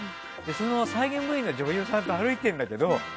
その再現Ｖの女優さんと歩いているんだけど。